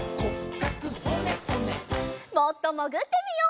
もっともぐってみよう。